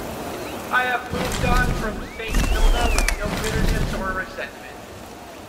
I have moved on from Saint Kilda with no bitterness or resentment.